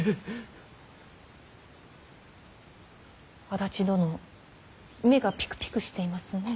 足立殿目がピクピクしていますね。